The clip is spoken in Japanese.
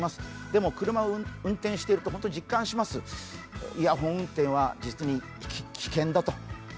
でも車を運転していると本当に実感します、イヤホン運転は実に危険だと。